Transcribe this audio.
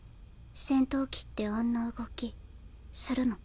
戦闘機ってあんな動きするの？